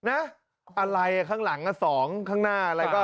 อะไรข้างหลัง๒ข้างหน้าอะไรก็